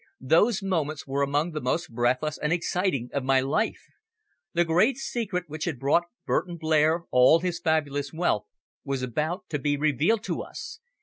Those moments were among the most breathless and exciting of my life. The great secret which had brought Burton Blair all his fabulous wealth was about to be revealed to us.